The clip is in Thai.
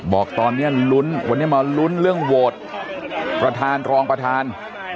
บอกตอนนี้ลุ้นวันนี้มาลุ้นเรื่องโหวตประธานรองประธาน